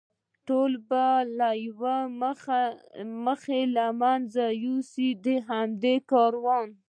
ټول به له یوې مخې له منځه یوسي، د همدې کاروان.